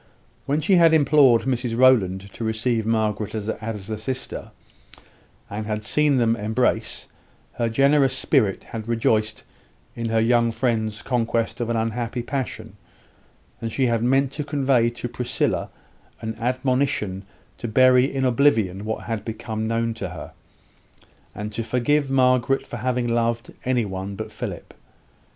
When she had implored Mrs Rowland to receive Margaret as a sister, and had seen them embrace, her generous spirit had rejoiced in her young friend's conquest of an unhappy passion; and she had meant to convey to Priscilla an admonition to bury in oblivion what had become known to her, and to forgive Margaret for having loved any one but Philip.